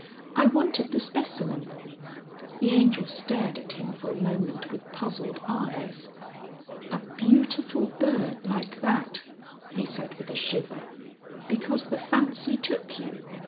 I wanted the specimen " The Angel stared at him for a moment with puzzled eyes. "A beautiful bird like that!" he said with a shiver. "Because the fancy took you.